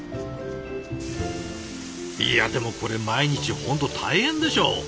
いやでもこれ毎日本当大変でしょう。